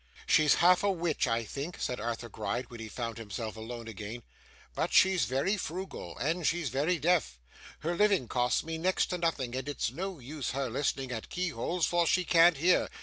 'She's half a witch, I think,' said Arthur Gride, when he found himself again alone. 'But she's very frugal, and she's very deaf. Her living costs me next to nothing; and it's no use her listening at keyholes; for she can't hear.